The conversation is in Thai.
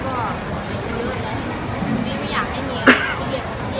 ช่องความหล่อของพี่ต้องการอันนี้นะครับ